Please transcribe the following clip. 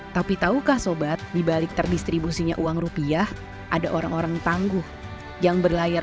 tapi tahukah sobat dibalik terdistribusinya uang rupiah ada orang orang tangguh yang berlayar